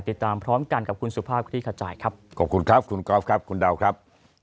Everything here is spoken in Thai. ติดตามพร้อมกันกับคุณสุภาพคุณค่ะจ่ายครับขอบคุณครับคุณกรอฟครับ